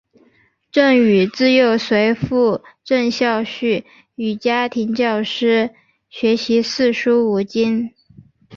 郑禹自幼随父郑孝胥与家庭教师学习四书五经。